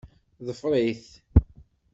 Ḍfer-it.